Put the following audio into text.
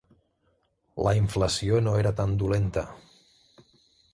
La inflació no era tan dolenta.